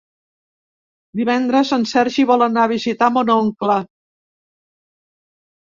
Divendres en Sergi vol anar a visitar mon oncle.